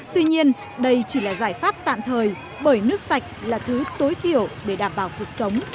tuy nhiên đây chỉ là giải pháp tạm thời bởi nước sạch là thứ tối thiểu để đảm bảo cuộc sống